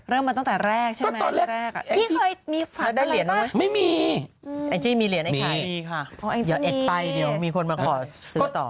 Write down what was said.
มาตั้งแต่แรกใช่ไหมตอนแรกพี่เคยมีฝันแล้วได้เหรียญไหมไม่มีแองจี้มีเหรียญไอ้ไข่เดี๋ยวเอ็ดไปเดี๋ยวมีคนมาขอซื้อต่อ